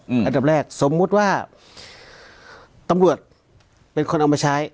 อันดับแรกสมมุติว่าตำรวจเป็นคนเอามาใช้